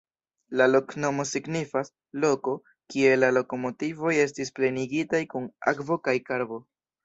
La loknomo signifas: loko, kie la lokomotivoj estas plenigitaj kun akvo kaj karbo.